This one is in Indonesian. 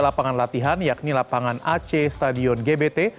lapangan latihan yakni lapangan ac stadion gbt